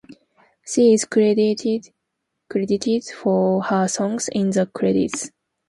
She is credited for her songs in the credits.